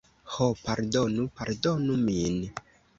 Ho, pardonu, pardonu min!